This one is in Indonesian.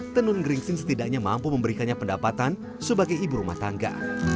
tenun geringsing setidaknya mampu memberikannya pendapatan sebagai ibu rumah tangga